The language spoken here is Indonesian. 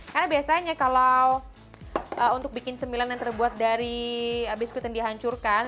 karena biasanya kalau untuk bikin cemilan yang terbuat dari biskuit yang dihancurkan